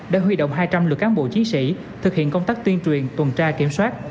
đã huy động hai trăm linh lực cán bộ chiến sĩ thực hiện công tác tuyên truyền tuần tra kiểm soát